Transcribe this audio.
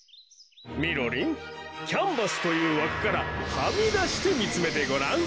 みろりんキャンバスというわくからはみだしてみつめてごらん。